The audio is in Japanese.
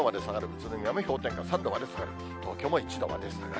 宇都宮も氷点下３度まで下がる、東京も１度まで下がる。